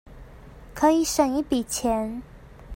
可以省一筆錢